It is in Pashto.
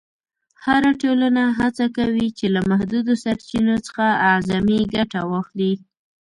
هره ټولنه هڅه کوي چې له محدودو سرچینو څخه اعظمي ګټه واخلي.